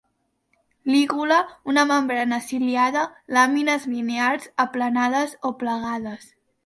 Lígula una membrana ciliada; làmines linears, aplanades o plegades.